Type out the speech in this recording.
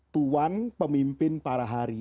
tuan pemimpin para hari